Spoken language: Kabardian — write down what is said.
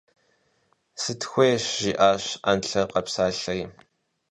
– Сытхуейщ! – жиӀащ Ӏэнлъэр къэпсалъэри.